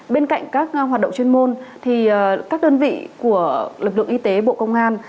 bên cạnh các hoạt động chuyên môn thì các đơn vị của lực lượng y tế bộ công an